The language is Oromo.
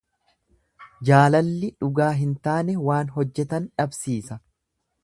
Jaalalli dhugaa hin taane waan hojjetan dhabsiisa.